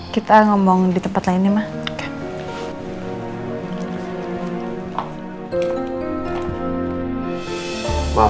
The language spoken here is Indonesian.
kita ngomong di tempat lainnya mah